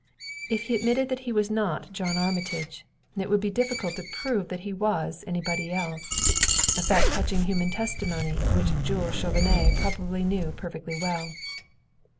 If he admitted that he was not John Armitage, it would be difficult to prove that he was anybody else a fact touching human testimony which Jules Chauvenet probably knew perfectly well.